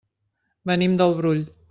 Venim del Brull.